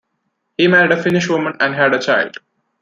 He married a Finnish woman and had a child.